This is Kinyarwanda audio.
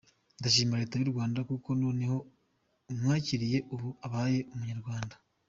Ndashima Leta y’u Rwanda kuko noneho imwakiriye ubu abaye Umunyarwanda.